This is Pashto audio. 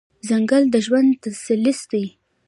ځنګل د ژوند تسلسل دی.